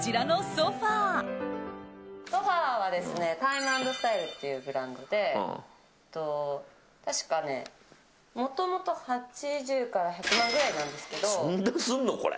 ソファはタイムアンドスタイルっていうブランドで確かね、もともと８０から１００万くらいなんですけど。